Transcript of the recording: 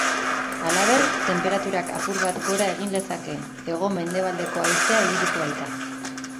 Halaber, tenperaturak apur bat gora egin lezake, hego-mendebaldeko haizea ibiliko baita.